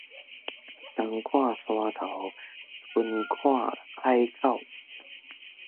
冬看山頭，春看海口